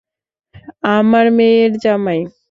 আমার মেয়ের জামাই।